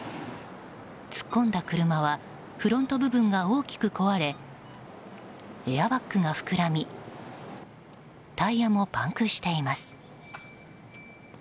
突っ込んだ車はフロント部分が大きく壊れエアバッグが膨らみタイヤもパンクしています。